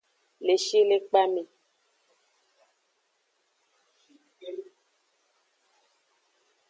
Le shilekpa me.